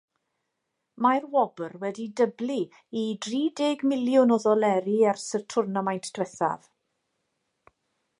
Mae'r wobr wedi dyblu i drideg miliwn o ddoleri ers y twrnamaint diwethaf.